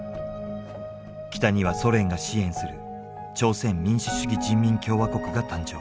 北にはソ連が支援する朝鮮民主主義人民共和国が誕生。